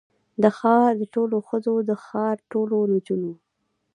د ښار د ټولو ښځو، د ښار د ټولو نجونو